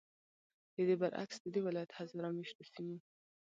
ددې برعکس، ددې ولایت هزاره میشتو سیمو